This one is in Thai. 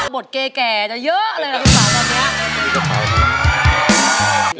บทเก่จะเยอะเลยนะครับทุกคน